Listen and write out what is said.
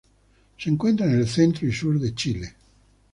Se encuentra en el centro y sur de Chile.